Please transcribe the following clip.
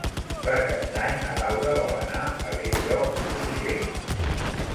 Per Cap d'Any na Laura vol anar a Bell-lloc d'Urgell.